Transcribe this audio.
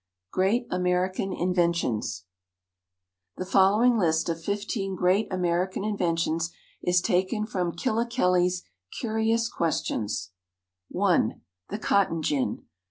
Great American Inventions The following list of fifteen great American inventions is taken from Killikelly's "Curious Questions": (1) The Cotton Gin.